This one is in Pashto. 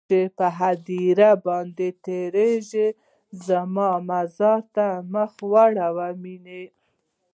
چې هديره باندې تيرېږې زما مزار ته مخ راواړوه مينه